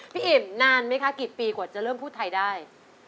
พี่อิ่มนานไหมคะกี่ปีกว่าจะเริ่มพูดไทยได้